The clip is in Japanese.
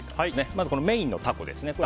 まずメインのタコです。